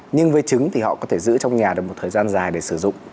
nhưng với trứng thì họ có thể giữ trong nhà được một thời gian dài để sử dụng